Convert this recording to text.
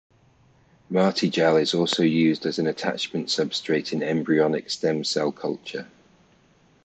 Matrigel is also used as an attachment substrate in embryonic stem cell culture.